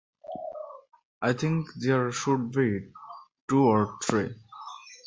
I think there should be two or three.